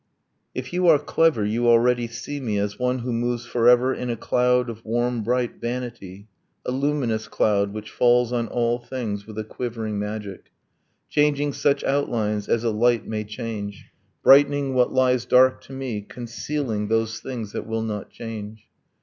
If you are clever you already see me As one who moves forever in a cloud Of warm bright vanity: a luminous cloud Which falls on all things with a quivering magic, Changing such outlines as a light may change, Brightening what lies dark to me, concealing Those things that will not change